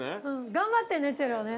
頑張ってねチェロね。